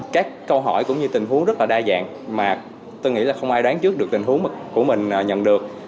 các câu hỏi cũng như tình huống rất là đa dạng mà tôi nghĩ là không ai đoán trước được tình huống của mình nhận được